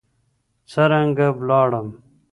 څرنګه ولاړم